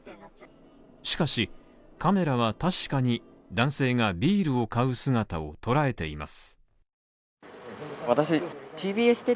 しかし、カメラは確かに男性がビールを買う姿を捉えています。